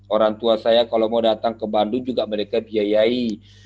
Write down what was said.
orang tua saya kalau mau datang ke bandung juga mereka biayai